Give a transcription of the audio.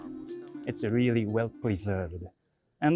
ini sangat terlalu terlalu dikawal